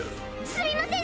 すいません！